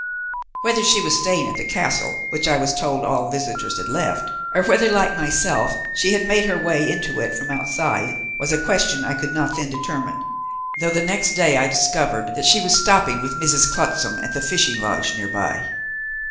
Whether she was staying at the castle, which I was told all visitors had left, or whether, like myself, she had made her way into it from outside, was a question I could not then determine, though the next day I discovered that she was stopping with Mrs. Clutsam at the fishing lodge, near by.